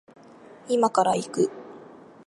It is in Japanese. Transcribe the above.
今から行く